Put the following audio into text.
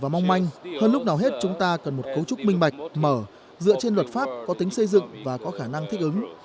mạch mở dựa trên luật pháp có tính xây dựng và có khả năng thích ứng